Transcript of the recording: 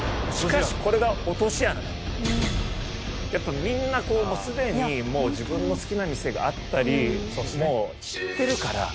やっぱりみんなすでにもう自分の好きな店があったりもう知ってるから。